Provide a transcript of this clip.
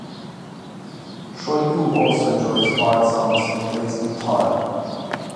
Shoygu also enjoys bard songs and plays the guitar.